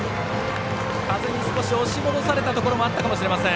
風に少し押し戻されたところもあったかもしれません。